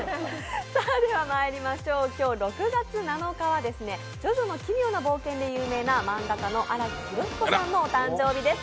今日６月７日は「ジョジョの奇妙な冒険」で有名な漫画家の荒木飛呂彦さんのお誕生日です。